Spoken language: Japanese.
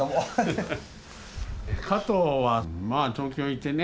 加藤はまあ東京いてね